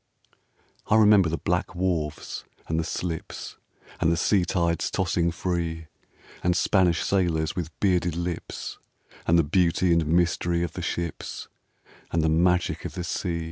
I remember the black wharves and the slips, And the sea tides tossing free; And Spanish sailors with bearded lips, And the beauty and mystery of the ships, And the magic of the sea.